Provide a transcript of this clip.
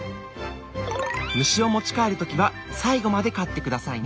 虫を持ち帰る時は最後まで飼ってくださいね。